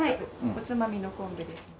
おつまみの昆布です。